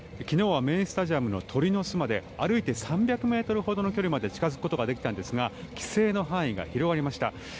昨日はメインスタジアムの鳥の巣まで歩いて３００ｍほどの距離まで近づくことができたんですが規制の範囲が広がりました。